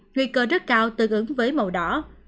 nguy cơ rất cao tương ứng với màu đỏ